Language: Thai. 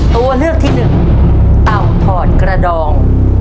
ตัวเลือกที่๑ต่ำพอดกระดอง